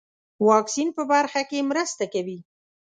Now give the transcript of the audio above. واکسین په برخه کې مرسته کوي.